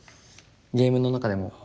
ゲームの中でも。